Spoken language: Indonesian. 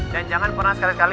dan jangan pernah sekali kali